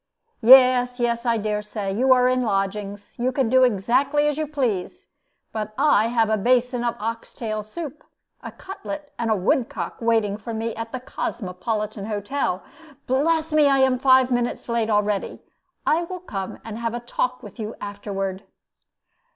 "Yes, yes, I dare say. You are in lodgings. You can do exactly as you please. But I have a basin of ox tail soup, a cutlet, and a woodcock waiting for me at the Cosmopolitan Hotel. Bless me! I am five minutes late already. I will come and have a talk with you afterward."